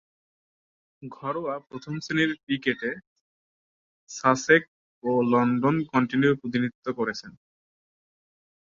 ঘরোয়া প্রথম-শ্রেণীর ক্রিকেটে সাসেক্স ও লন্ডন কাউন্টির প্রতিনিধিত্ব করেছেন।